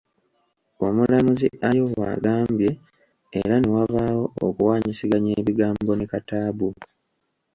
Omulamuzi Ayo bw’agambye era ne wabaawo okuwaanyisiganya ebigambo ne Kataabu.